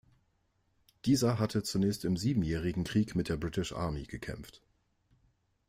Dieser hatte zunächst im Siebenjährigen Krieg mit der British Army gekämpft.